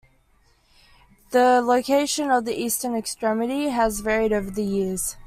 The location of the eastern extremity has varied over the years.